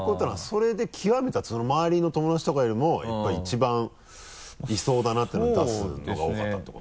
それで極めたって周りの友達とかよりもやっぱり一番いそうだなっていうのを出すのが多かったってこと？